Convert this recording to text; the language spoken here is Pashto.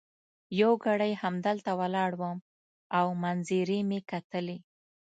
یو ګړی همدلته ولاړ وم او منظرې مي کتلې.